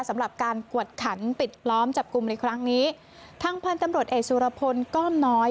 สำหรับการกวดขันปิดล้อมจับกลุ่มในครั้งนี้ทางพันธุ์ตำรวจเอกสุรพลก้อมน้อย